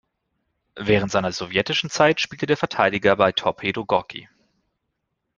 Während seiner sowjetischen Zeit spielte der Verteidiger bei Torpedo Gorki.